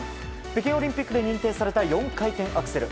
北京オリンピックで認定された４回転アクセル。